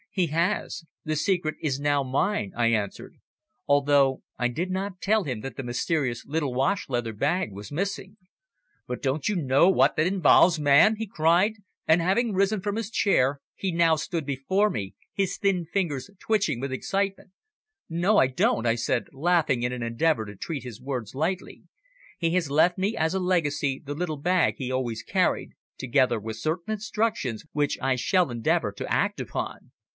"He has. The secret is now mine," I answered; although I did not tell him that the mysterious little wash leather bag was missing. "But don't you know what that involves, man?" he cried, and having risen from his chair he now stood before me, his thin fingers twitching with excitement. "No, I don't," I said, laughing in an endeavour to treat his words lightly. "He has left me as a legacy the little bag he always carried, together with certain instructions which I shall endeavour to act upon."